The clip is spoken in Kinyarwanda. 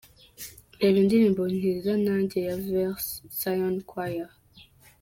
Reba indirimbo ‘Nkiza Nanjye’ ya Vers Sion Choir .